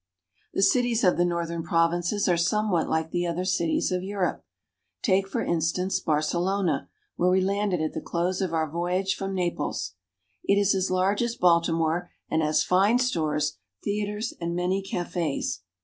The cities of the northern provinces are somewhat like the other cities of Europe. Take, for instance, Barcelona, where we landed at the close of our voyage from Naples. It is as large as Baltimore and has fine stores, theaters, and many cafes.